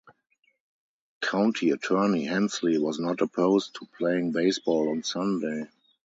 County attorney Hensley was not opposed to playing baseball on Sunday.